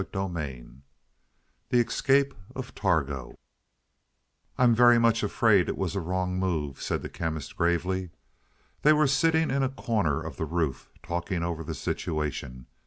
CHAPTER XXV THE ESCAPE OF TARGO "I am very much afraid it was a wrong move," said the Chemist gravely. They were sitting in a corner of the roof, talking over the situation.